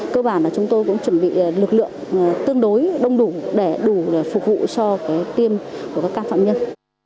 cơ bản là chúng tôi cũng chuẩn bị lực lượng tương đối đông đủ để đủ để phục vụ cho tiêm của các ca phạm nhân